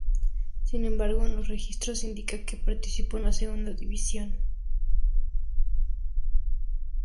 Sin embargo en los registros indica que participó en la segunda división.